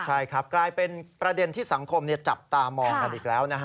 ใช่ครับกลายเป็นประเด็นที่สังคมจับตามองกันอีกแล้วนะฮะ